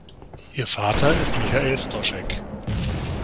Ihr Vater ist Michael Stoschek.